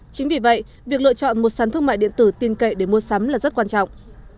chính vì vậy việc lựa chọn một sắn thương mại điện tử tiên kệ để mua sắm là rất quan trọng